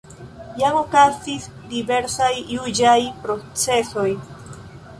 Jam okazis diversaj juĝaj procesoj.